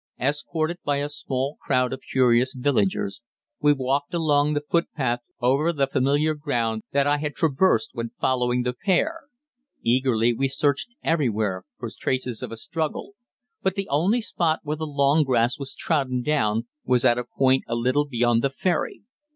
Escorted by a small crowd of curious villagers, we walked along the footpath over the familiar ground that I had traversed when following the pair. Eagerly we searched everywhere for traces of a struggle, but the only spot where the long grass was trodden down was at a point a little beyond the ferry.